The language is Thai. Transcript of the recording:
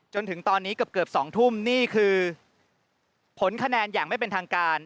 จนถึงตอนนี้เกือบ๒ทุ่มนี่คือผลคะแนนอย่างไม่เป็นทางการ